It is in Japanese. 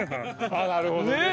ああなるほどね。ね？